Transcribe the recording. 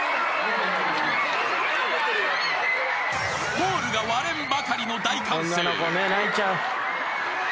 ［ホールが割れんばかりの大歓声］